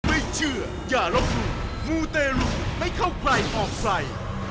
ไม่เชื่ออย่าลองมูมูเตรียมไม่เข้าใครออกใส่